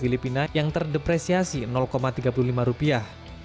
filipina yang terdepresiasi tiga puluh lima rupiah